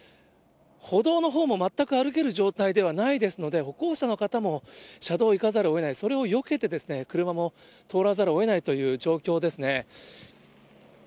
歩道のほうも全く歩ける状態ではないですので、歩行者の方も車道を行かざるをえない、それをよけて、車も通らざるをえないという状況ですね。